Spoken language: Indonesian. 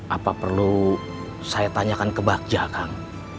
apa perlu saya tanyakan ke bagja kang